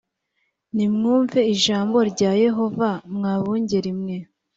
nimwumve ijambo rya yehova mwa bungeri mwe